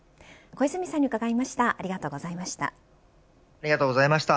小泉さんに伺いました。